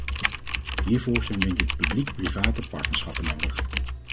Hiervoor zijn denk ik publiek-private partnerschappen nodig.